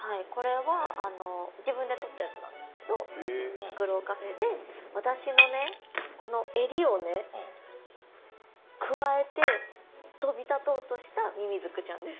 はいこれは自分で撮ったやつなんですけどフクロウカフェで私のねこの襟をねくわえて飛び立とうとしたミミズクちゃんです。